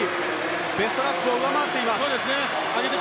ベストラップを上回っています。